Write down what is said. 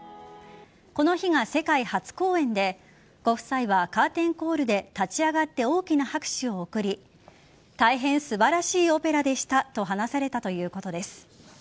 この日が世界初公演でご夫妻はカーテンコールで立ち上がって大きな拍手を送り大変素晴らしいオペラでしたと話されたということです。